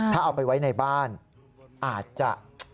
ถ้าเอาไปไว้ในบ้านอาจจะ